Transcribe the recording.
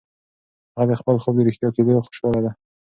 هغه د خپل خوب د رښتیا کېدو خوشاله ده.